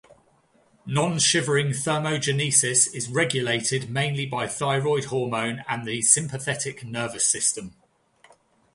Non-shivering thermogenesis is regulated mainly by thyroid hormone and the sympathetic nervous system.